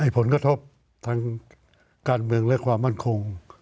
ผลกระทบทางการเมืองและความมั่นคง